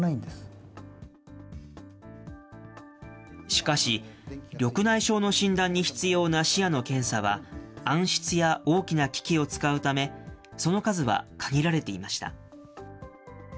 しかし、緑内障の診断に必要な視野の検査は、暗室や大きな機器を使うため、その数は限られていました。